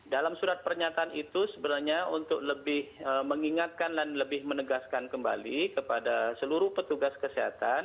dalam surat pernyataan itu sebenarnya untuk lebih mengingatkan dan lebih menegaskan kembali kepada seluruh petugas kesehatan